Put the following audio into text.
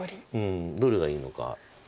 どれがいいのか。